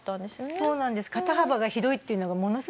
そうなんです。